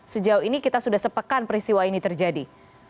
sejauh ini kita sudah sepekan peristiwa ini terjadi